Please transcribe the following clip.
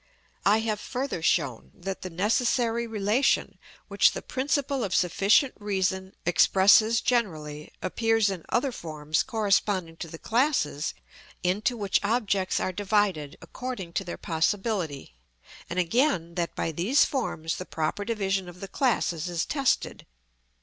I have further shown, that the necessary relation which the principle of sufficient reason expresses generally, appears in other forms corresponding to the classes into which objects are divided, according to their possibility; and again that by these forms the proper division of the classes is tested.